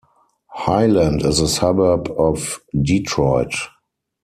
Highland is a suburb of Detroit.